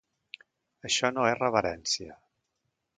Això no és reverència.